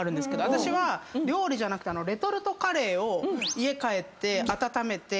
私は料理じゃなくてレトルトカレーを家帰って温めて。